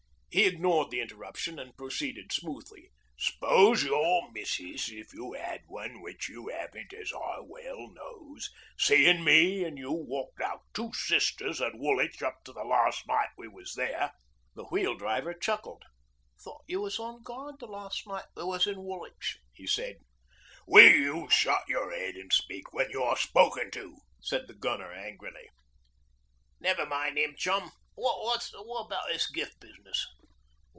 He ignored the interruption, and proceeded smoothly. 'S'pose your missis, if you 'ad one, w'ich you 'aven't, as I well knows, seein' me 'n' you walked out two sisters at Woolwich up to the larst night we was there. ...' The Wheel Driver chuckled. 'Thought you was on guard the las' night we was in Woolwich,' he said. 'Will you shut your 'ead an' speak when you're spoke to?' said the Gunner angrily. 'Never mind 'im, chum. Wot about this Gif' business?'